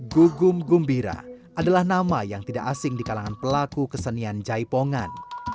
gugum gumbira adalah nama yang tidak asing di kalangan pelaku kesenian jaipongan